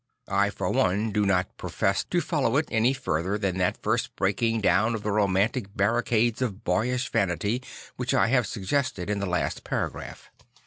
I for one do not profess to follow it any further than that first breaking down of the romantic barricades of boyish vanity, which I have suggested in the last paragraph.